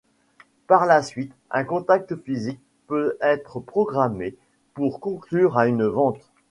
Par la suite un contact physique peut être programmé pour conclure à une vente.